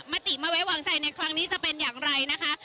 มติไม่ไว้วางใจในครั้งนี้จะเป็นอย่างไรนะคะ